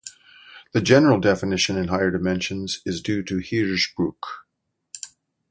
The general definition in higher dimensions is due to Hirzebruch.